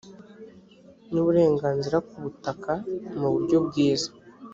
n uburenganzira ku butaka mu buryo bwiza